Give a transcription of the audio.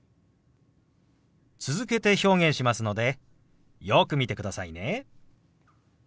続けて表現しますのでよく見てくださいね。